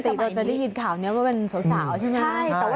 สีตัวจะได้เห็นข่าวนี้ว่าเป็นสาวใช่ไหม